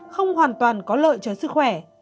không hoàn toàn có lợi cho sức khỏe